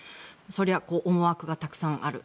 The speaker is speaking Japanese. それは思惑がたくさんある。